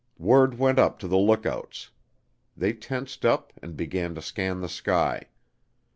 Word went up to the lookouts. They tensed up and began to scan the sky.